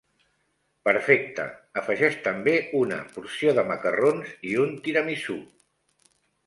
Perfecte, afegeix també una porció de macarrons, i un tiramisú.